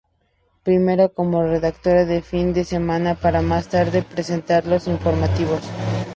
Primero como redactora de fin de semana, para más tarde presentar los informativos.